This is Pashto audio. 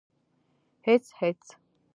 _هېڅ ، هېڅ.